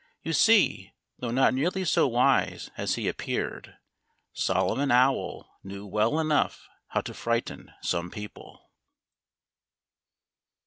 You see, though not nearly so wise as he appeared, Solomon Owl knew well enough how to frighten some people.